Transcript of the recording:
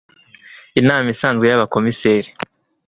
Inama isanzwe y Abakomiseri